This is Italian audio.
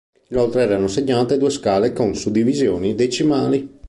Inoltre erano segnate due scale con suddivisioni decimali.